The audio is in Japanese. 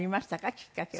きっかけは。